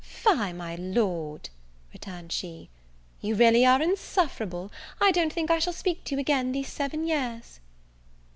"Fie, my Lord!" returned she, "you really are insufferable. I don't think I shall speak to you again these seven years."